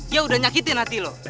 ya udah nyakitin hati lo